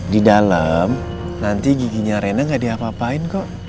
di dalam nanti giginya rena gak diapa apain kok